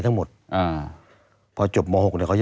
ตั้งแต่ปี๒๕๓๙๒๕๔๘